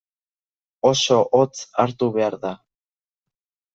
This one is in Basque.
Oso hotz hartu behar da.